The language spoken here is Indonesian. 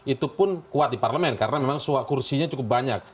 itu pun kuat di parlemen karena memang kursinya cukup banyak